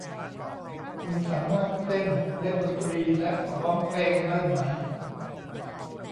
คุณสามารถเต้นเล่นดนตรีและร้องเพลงได้ไหม ?